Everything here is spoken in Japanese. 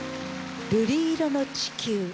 『瑠璃色の地球』。